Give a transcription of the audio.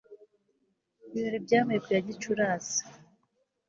Ibirori byabaye ku ya Gicurasi